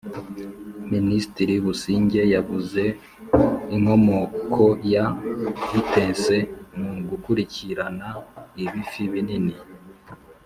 minisitiri busigye yavuze inkomokoya ‘vitesse’ mu gukurikirana ‘ibifi binini’